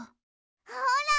ほら！